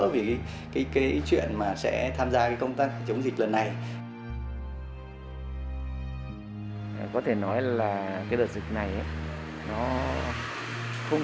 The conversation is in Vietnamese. vì cái chuyện mà sẽ tham gia cái công tác chống dịch lần này có thể nói là cái đợt dịch này nó không